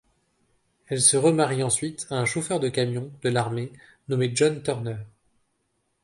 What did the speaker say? Elle se remarie ensuite à un chauffeur de camion de l'armée nommé John Turner.